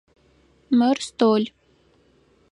Мыр стол.